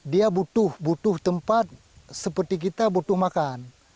dia butuh butuh tempat seperti kita butuh makan